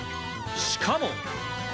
しかも。